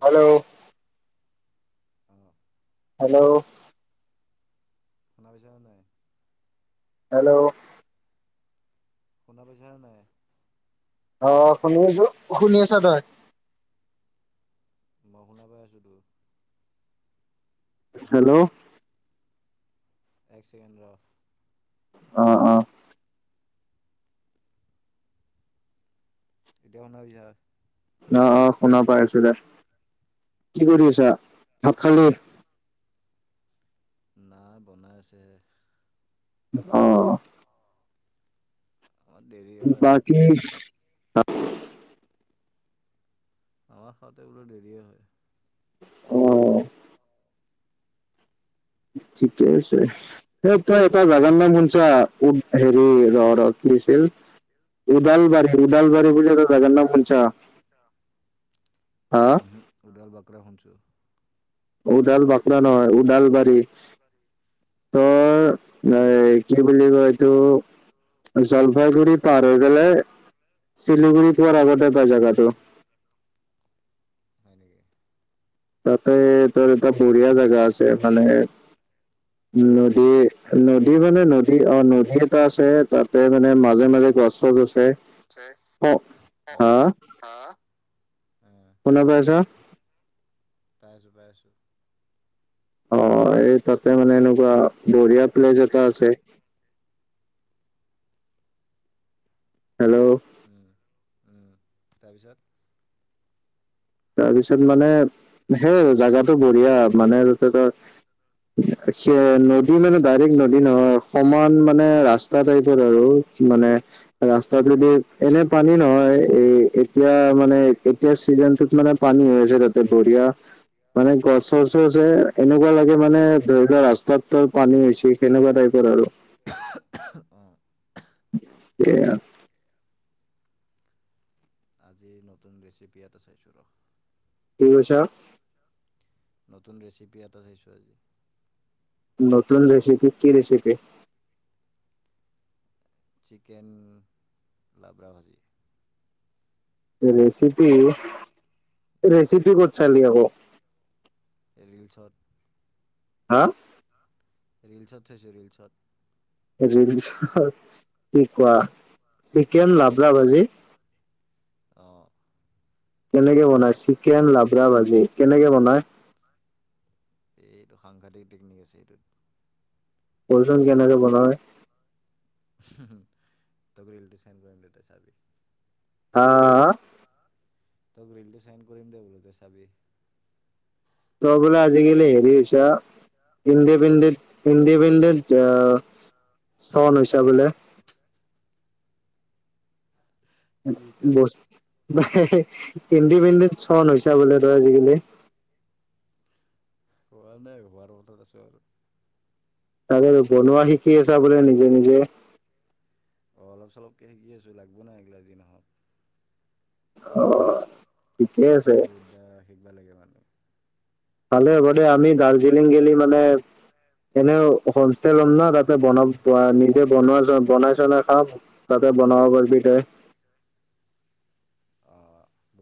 Hello? Hello? [unintelligible] Hello? শুনা পাইছা‌ নে নাই? অ শুনি আছোঁ, শুনি আছোঁ তই। মই শুনা পাই আছোঁ। হেল্ল'? এক চেকেণ্ডৰ অ'! অ'! [unintelligible] অ' অ' শুনা পাই আছোঁ দে, কি কৰি আছা? ভাত খালি? না বনাই আছে। অ'! বাকি শুৱা খাওতে বোলো দেৰিয়ে হয়। ঠিকে আছে। এই তই এটা জাগাৰ নাম শুনছ হেৰি, ৰ' ৰ' কি আছিল? দালবাৰী, দালবাৰী বুলি জাগাৰ নাম শুনছা? [unintelligible] উদাল বাকৰা ৰা নহয়, ওদালবাৰী তই এ কি বুলি কয় বুলি কয় এইটো, জলপাইগুৰি পাৰ হৈ পেলাই শিলিগুৰি পোৱাৰ আগতে পায় জেগাটো। হয়‌ নিকি? তাতে তোৰ এটা বঢ়িয়া জোগা আছে, মানে, নদী, নদী মানে, নদী অ' নদী এটা আছে। তাতে মানে, মাজে মাজে, গছে চছ আছে। অ' হা? শুনা পাইছ? পাইছোঁ, পাইছোঁ। অ এই তাতে মানে এনেকুৱা বঢিয়া লে য'ত আছে হেল্ল'। উম তাৰপিছত। তাৰপিছত মানে সেই আৰু জাগাটো বঢ়িয়া, নদী মানে ডাইৰেক্ট নদী নহয় সমান মানে ৰাস্তা টাইপৰ আৰু মানে ৰাস্তাত যদি এনে পান। পান নহয় এ এতিয়া মানে। এতিয়া চিজনটো। মানে পানী হৈ আছে তাতে বঢ়িয়া মানে গছ চছৰ আছে এনেকুৱা লাগে মানে, ধৰি লোৱা ৰাস্তাত পানী হৈছে সেনেকুৱা টাইপৰ আৰু। সেয়া। আজি নতুন ৰেচিপি এটা চাইছোঁ ৰ। কি কৈছা। নতুন ৰেচিপি এটা চাইছোঁ আজি। নতুন ৰেচিপি কি ৰেচিপি। চিকেন লাবৰা ভাজি। ৰেচিপি ৰেচিপ ক'ত চালি ক। ৰল চট। হা। ৰিলচত চাইছোঁ ৰিলচত। ৰিলচত কি কোৱা। বি কোন লাভলা ভাজি। আহ। কেনেকে বনাই চিকেন লাবৰা ভাজি, কেনেকে বনায়। এইটো সাংঘাতিক টেকনিক আছে এইটোত। কচোন কেনেকে বনাই। তৰি চাবি হা হ। [unintelligible] তই বোলে আজিকালি হেৰি আছ। ইণ্ডিপেণ্ডেণ্ ইণ্ডিপেণ্ডেণ্ট আহ চন হৈছে বোলে। বছ ইণ্ডিপেণ্ডেন ছন হৈছা বোলে তই আজিকালি। অ নাই ঘোৱাৰ বতত আছো আৰু। তাকে বনোৱা শিকি আছা বোলে নিজে নিজে। অ অলপ চলপকে শিকি আছো লাগব নাই এগিলা অঁ। আতৰ বিদ্যা। বেলেগে মানে। ভালে হ'ব দে আমি দাৰ্জিলিং গলে মানে। এনেও হোমষ্টে ল'ম নহ তাত। বন নিজে বনোৱা বনাই চলা তাতে বনাব পাৰিবি তাই।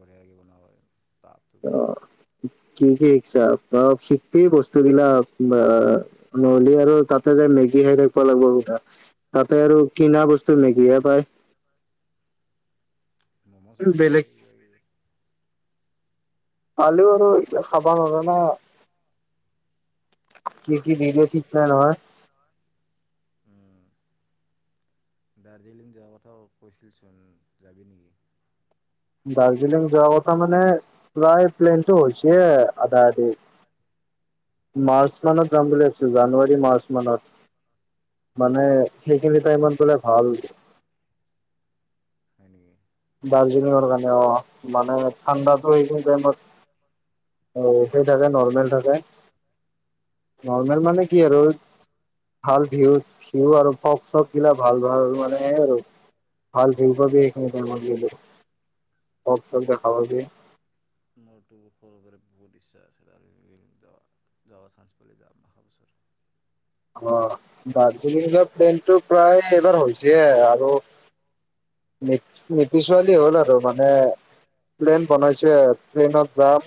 বঢ়িয়াে বনাোৱা কিয়? কি -কি শিকছা অলপ শিকবি বস্তুবিলাক বাহ নহলি আৰু তাতে যায় মেগী খাই থাকব লাগব হুধা তাতে আৰু কিনা বস্তু মেগীহে পায়। মম চম পাইজে কিবাকিবি [unintelligible] পালিও আৰু এইগিলা খাবা নৰা না কি কি দি দিয়ে ঠিক নাই নহয়। দাৰ্জিলিং যোৱাৰ কথাও কৈছিলচোন যাবি নিকি? দাৰ্জিলিং যোৱা কথা মানে প্ৰায় প্লেনটো হৈছে আধা আধি। মাৰ্চ মানত যাম বুলি ভাবছো জানুৱাৰী মাৰ্চ মানত মানে সেইখিনি টাইমত বোলে ভাল। হয়ে নেকি। দাৰ্জিলিঙৰ কাৰণে অহ মানে ঠাণ্ডাটো সেইটো টাইমত সেই থাকে নৰ্মেল থাকে। নৰ্মেল মানে কি আৰু ভাল ভিউ -ভিউ আৰু ফগ চগ গিলা ভাল -ভাল মানে আৰু ভাল ভিউ পাবি সেইখিনি টাইমত গেলি ফগ চগ দেখা পাবি। মোৰটো সৰুৰ পৰা বহুত ইচ্ছা আছে দাৰ্জিলিং যাৱা -যাৱা চানচ পালি যাম আহাবছৰ। অহ, দাৰ্জিলিঙ প্লেনটো প্ৰায় এইবাৰ হৈছে আৰু [unintelligible] ছোৱালী হল আৰু মানে প্লেন বনাই যে ট্ৰেইনত যাম।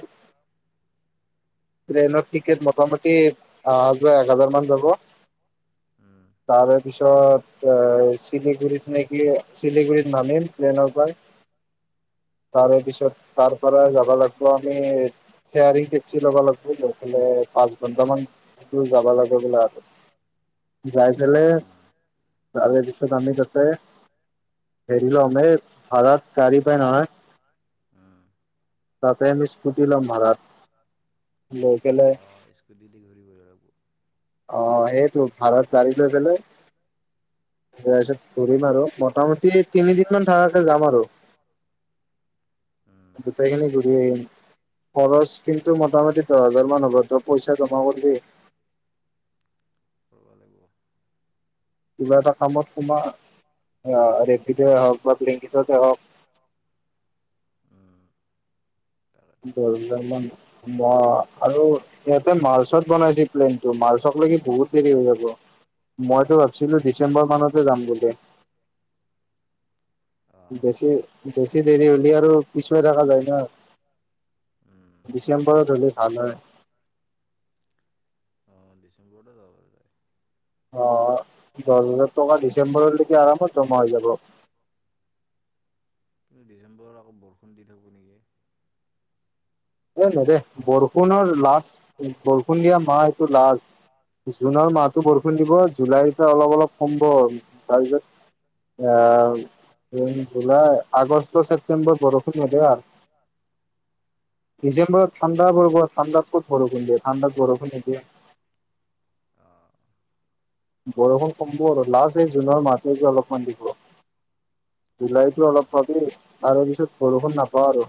ট্ৰেইনত। টিকেট মোটামুটি আহা যোৱা এক হাজাৰ মান যাব তাৰে পিছত অহ, শিলিগুৰিত নে কি শিলিগুৰিত নামিম ট্ৰেনৰ পাই। তাৰে পিছত তাৰ পৰা যাব লাগব আমি শ্বাৰিং টেক্সি লব লাগব লৈ ফেলে পাঁচ ঘন্টামান তোৰ যাব লাগব বোলে আৰু যাই ফেলে তাৰে পি নামি তাতে হেৰি লম এ ভাড়াত গাড়ী পাই নহয়। তাতে আমি স্কুটি লম ভাড়াত লৈ কেলে অহ, সেয়েটো। ভাড়াত গাঢ়ী লৈ ফেলে তাৰ পিছত ঘুৰিম আৰু মোটামুটি তিনিদিন মান থাকাকে যাম আৰু ঘূৰি আহিম। খৰচ কিন্তু মোটামুটি দহ হাজাৰ মান হব পইচা জমা কৰবি। কিবা এটা কামত সুমা অহ ৰেপিডই হওক বা ব্লিনকিততে হওক। দচ হাজাৰ মান অহ, আৰু সিহঁতে মাৰ্চত বনাইচি প্লেনটো মাৰ্চক লকি বহুত দেৰি হৈ যাব মইতো ভাবিছিলো ডিচেম্বৰ মানতে যাম বুলি। বেছি- বেছি দেৰি হলি আৰু পিছো [unintelligible] যায় না ডিচেম্বৰত হলি ভাল হয়। [unintelligible] অহ, দহ হাজাৰ টকা ডিচেম্বৰলৈকে আৰামত জমা হৈ যাব। ডিচেম্বৰত আকৌ বৰষুণ দি থাকব নেকি, এই ন দে। বৰষুণৰ লাষ্ট বৰষুণ দিয়া মাহ এইটো লাষ্ট জুনৰ মাহতটো বৰষুণ দিব, জুলাইতে অলপ অলপ কমব তাৰপিছত এ জুলাই আগষ্ট ছেপ্তেম্বৰত বৰষুণ হব ডিচেম্বৰত ঠাণ্ডা বৰত ঠাণ্ডাত ক'ত বৰষুণ দিয়ে ঠাণ্ডাত বৰষুণ নিদিয়ে বৰষুণ কমিব অলপ। লাষ্ট জুনৰ মাহ অলপমান দিব। জুলাইতো অলপ পাবি, তাৰে পিছত বৰষুণ নাপাওঁ আৰু।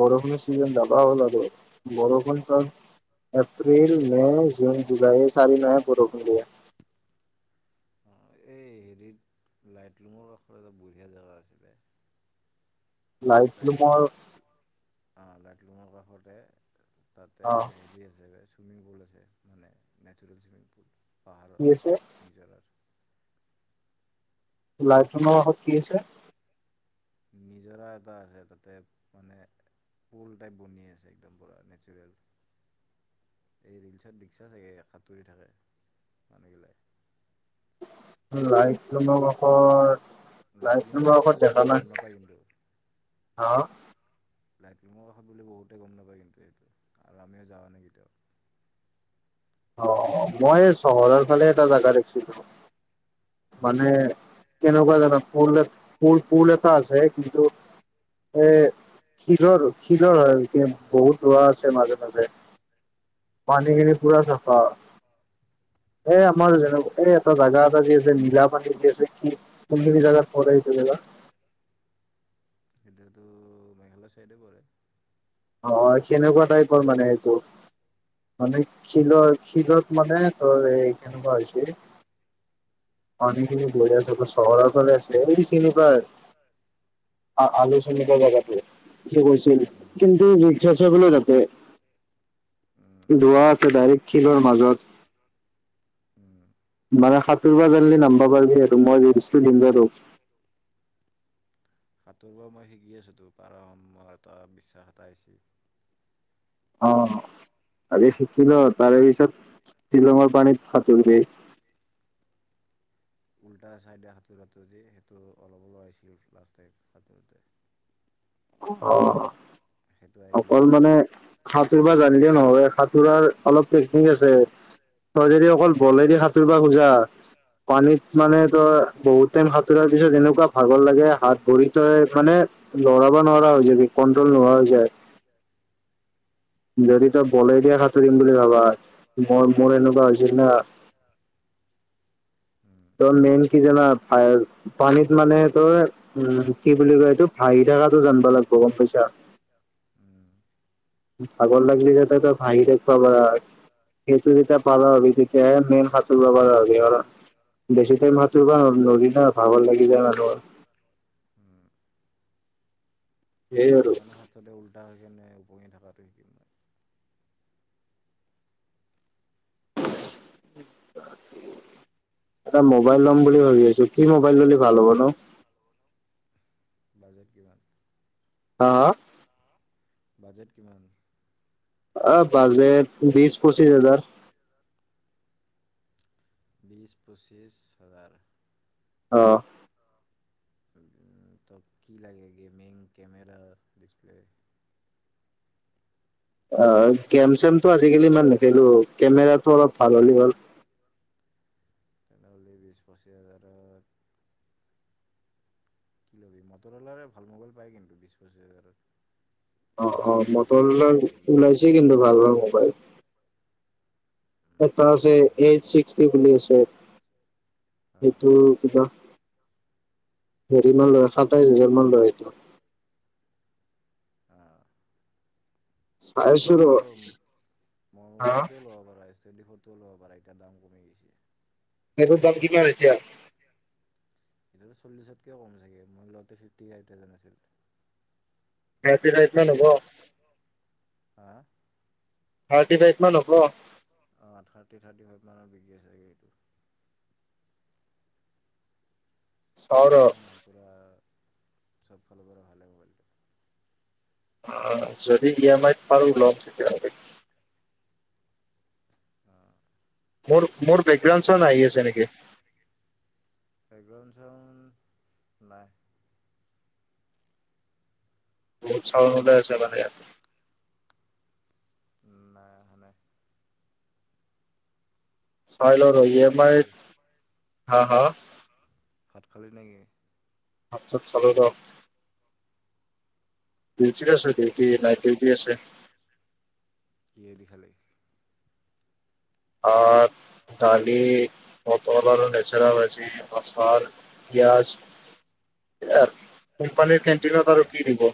বৰষুণৰ চিজন যাবা হ'ল আৰু বৰষুণ চ এপ্ৰিল মে জুন, জুলাই এই চাৰি মাহত বৰষুণ দিয়ে। এই হেৰিত লাইটলৰুমৰ কাষত এটা বঢ়িয়া জেগা আছিলে। লাইট ৰুমৰ লাইট লুমৰ কাষতে। তাতে হেৰি আছে চুইমিং পুল আছে। মানে নেচাৰেল চুইমিং পুল। কি আছে? লাইফনৰ আগত কি আছে? নিজৰা এটা আছে। তাতে মানে পুল টাইপ বনি আছে। একদম পুৰা নেচাৰেল এই ৰিলচত দেখিছা চাগে সাঁতুৰি থাকে মানুহবিলাক। লাইজন কাষৰত লাই ন ম নাই আহ [unintelligible] লাইকিঙৰ কাষত বুলি বহুতে গম নাপায় কিন্তু সেটো। আৰু আমিও যাওঁ নাই কেতিয়াও। অ মই চহৰৰ ফালে এটা জাগা দেখিছিলো। মানে কেনেকুৱা জানো ফুল এ ফুল ফুল এটা আছে কিন্তু এ শিলৰ শিলৰ হয়ক বহুত ৰোৱা আছে মাজে মাজে। পানী কেিন পুৰা চ [unintelligible] অ এই আমাৰ যেনে এই এটা জাগা এটা দি আছে নীলা পানী দি আছে কিন্দী জোগাত আহিছে জোগা। এতিয়াতো মেঘালয় চাইডে পৰে। অ কেনেকুৱা টাইপৰ মানে এইটো? মানে শিলৰ শিলত মানে তোৰ এই কেনেকুৱা হৈছে? পানী কে গছে চ [unintelligible] আ এই চিনিবাৰ আলোচনী জগাটো সটো কৈছিল কিন্তুাব [unintelligible] ক [unintelligible] ধোৱা আছে ডাইৰেক্ট শিলৰ মাজত। মানে হা জানিলি নাম্বা পাৰিবি আৰু মই যষ্টু লিমগ ৰ [unintelligible] সাঁতোৰিব মই শিকি আছোঁতো, পাৰ সম ত বিশ্বাস এটা আহিছে। অ তাকে শিকিলো তাৰে পিছত শ্বিলঙৰ পানীত সাতোৰিলে। উল্টা চাইডে সাঁতোৰতো যে সেইটো অলপ অলাইছিল ল সাঁতোৰতে। অ অকল মানে সাঁতোৰিব জানিলে নহয়, সাঁতোৰাৰ অলপ টেকনিক আছে। তই যদি অকল বলেদি সাঁতুৰিব খোজা পানীত মানে তই বহুত টাইম সাঁতোৰাৰ পিছত এনেকুৱা ভাগৰ লাগে হাত ভৰি তই মানে লৰা, নোৱাৰা হৈ যায় কন্ট্ৰল নহোৱা হৈ যায়। যদি তই বলেৰে সাঁতুৰিম বুলি ভাবা ম মোৰ এনেকুৱা হৈ হৈছে না তই মেইন কি জানা ফাই পানীত মানে তই উম কি বুলি কয় এইটো ফাইদাৰ আৰু জানব লাগিব গম পাইছা। [unintelligible] ভাগৰ লাগিলে যাতে ত ভাঁহি থাকব পাৰা সেইটো যেতিয়া পাৰা হবি তেতিয়া মেইন সাঁতোৰব পাৰা হবি আৰু বেছি টাইম সাঁতুৰাব ন ভাগৰ লাগি যায় মানুহৰ সেইকাৰণে ফাচততে উল্টা হৈ যেনে উপঙি থকাটো শিকিম। এটা মোবাইল ল'ম বুলি ভাবি আছো। কি মোবাইল ললে ভাল হ'ব নো? বাজেট কিমান? হা বাজেট কিমান? আহ বাজে বিছ পঁচিছ হাজাৰ। বিছ পঁচিছ হাজাৰ। আহ অ অ ত কি লাগে গেমিং কেমেৰা ডিছপ্লে অ গেম চেমটো আজিকালি ইমান নেখিলো কেমেৰাটো অলপ ভাল হ'লে হ'ল। তেনেহলে বিছ পঁচিছ হাজাৰত। কি লবি মটৰালাৰ ভাল মোবাইল পায় কিন্তু বিশ পঁচিছ হাজাৰত। অ অ মটৰৱালাৰ ওলাইছে কিন্তু ভাল মোবাইল। এটা আছে এজ ছিক্সটি বুলি ওচৰত সেইটো কিবা হেৰি মান লয় সাতাইশ হোজাৰ মান লয় সেইটো। আহ নহলে মোৰ ম'বাইল টো লব পাৰা এজ তুবেনটি ফৰ ত ল'ব পাৰা এতিয়া দাম কমি গৈছে। সেইটো দাম কিমান এতিয়া? এতি চল্লিশতকে কম চাগে মোৰ লওতে ফিফটি এইট ঠাউজেন আছিল। থাৰ্টি ইতমান হ'ব হা থাৰ্টি ফাইভ অ থাৰ্টি থাৰ্টি ফাইভ মানৰ বিকি আছে। যাইগে এইটো ভালে না পুৰা চব ফালৰ ভালে পাবি আহ যদি ই এম আইত পাৰোঁ লম তেতিয়াহ'লে মোৰ মোৰ বেকগ্ৰাউণ্ড চাউন্দ আহি আছে নেকি? ধ্ৰন নাই বহুত ছাউণ্ড উলাই আছে মানে ইয়াতে নাই অহা নাই [unintelligible] হা হা ভাত খালি নেকি? আচ্ছা চালো দ তিনিচুকীয়াছে। উ নাইটডিউটি আছে। কি দি খালে? ভাত দালি পটল আৰু নেচেৰা ভাজি আচাৰ পিয়াজ আৰু কোম্পানীৰ কেণ্টিনত আৰু কি দিব?